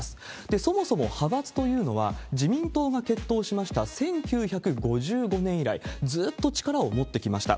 そもそも派閥というのは、自民党が結党しました１９５５年以来、ずーっと力を持ってきました。